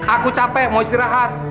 aku capek mau istirahat